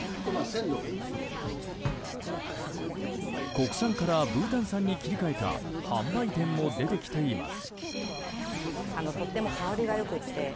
国産からブータン産に切り替えた販売店も出てきています。